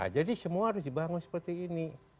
jadi semua harus dibangun seperti ini